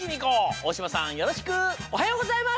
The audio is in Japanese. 大島さんよろしく！おはようございます！